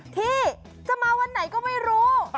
ที่จะมาวันไหนก็ไม่รู้